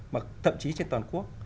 mà thậm chí trên toàn quốc